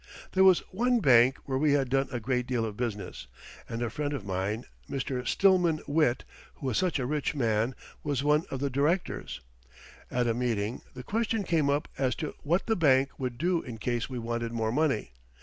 There was one bank where we had done a great deal of business, and a friend of mine, Mr. Stillman Witt, who was a rich man, was one of the directors. At a meeting, the question came up as to what the bank would do in case we wanted more money.